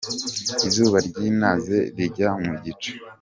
Izuba ryinaze rijya mu gicu.